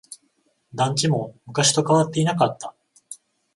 団地も昔と変わっていなかった。